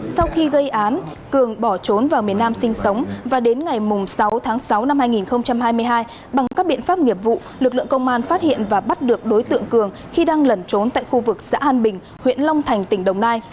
sau khi gây án cường bỏ trốn vào miền nam sinh sống và đến ngày sáu tháng sáu năm hai nghìn hai mươi hai bằng các biện pháp nghiệp vụ lực lượng công an phát hiện và bắt được đối tượng cường khi đang lẩn trốn tại khu vực xã an bình huyện long thành tỉnh đồng nai